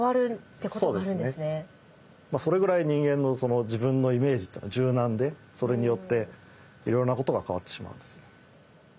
それぐらい人間の自分のイメージっていうのは柔軟でそれによっていろんなことが変わってしまうんですね。